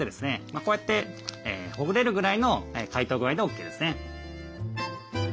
こうやってほぐれるぐらいの解凍具合でＯＫですね。